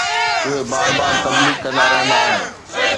اهي بار بار تبليغ ڪندا رهندا آهن.